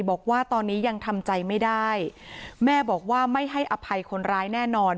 บอกว่าตอนนี้ยังทำใจไม่ได้แม่บอกว่าไม่ให้อภัยคนร้ายแน่นอน